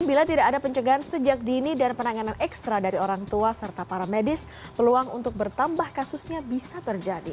bila tidak ada pencegahan sejak dini dan penanganan ekstra dari orang tua serta para medis peluang untuk bertambah kasusnya bisa terjadi